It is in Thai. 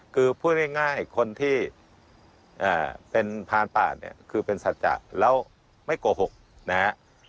คือพูดง่ายคนที่เป็นพานป่าเนี่ยคือเป็นสัจจะแล้วไม่โกหกนะฮะ